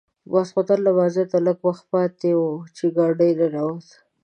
ماخوستن لمانځه ته لږ وخت پاتې و چې ګاډی ننوت.